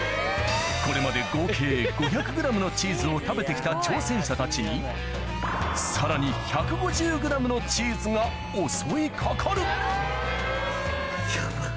これまで合計５００ｇのチーズを食べて来た挑戦者たちにさらに１５０ｇのだがあっ。